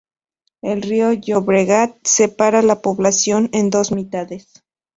El río Llobregat separa la población en dos mitades.